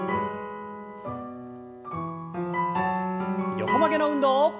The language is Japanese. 横曲げの運動。